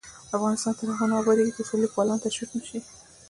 افغانستان تر هغو نه ابادیږي، ترڅو لیکوالان تشویق نشي.